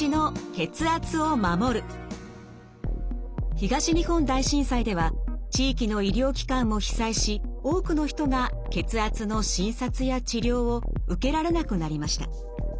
東日本大震災では地域の医療機関も被災し多くの人が血圧の診察や治療を受けられなくなりました。